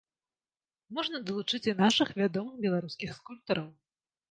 Можна далучыць і нашых вядомых беларускіх скульптараў.